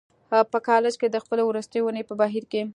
په کالج کې د خپلې وروستۍ اونۍ په بهیر کې